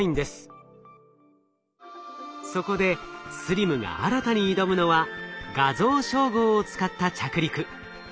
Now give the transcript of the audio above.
そこでＳＬＩＭが新たに挑むのは画像照合を使った着陸。